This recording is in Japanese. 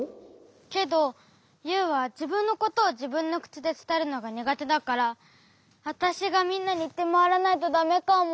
けどユウはじぶんのことをじぶんのくちでつたえるのがにがてだからわたしがみんなにいってまわらないとだめかも。